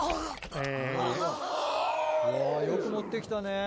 うわよく持って来たね。